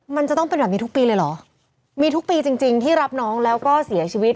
มันจะต้องเป็นแบบนี้ทุกปีเลยเหรอมีทุกปีจริงจริงที่รับน้องแล้วก็เสียชีวิต